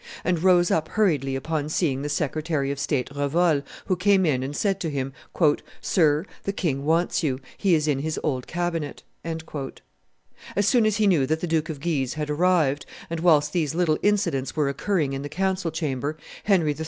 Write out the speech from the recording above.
and rose up hurriedly upon seeing the secretary of state Revol, who came in and said to him, "Sir, the king wants you; he is in his old cabinet." As soon as he knew that the Duke of Guise had arrived, and whilst these little incidents were occurring in the council chamber, Henry III.